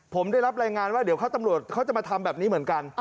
ผมได้รับรายงานว่าเดี๋ยวตำรวจเขาจะมาทำแบบนี้เหมือนกัน